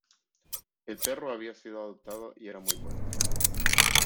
El perro había sido adoptado y era muy bueno.